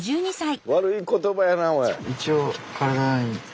悪い言葉やなおい。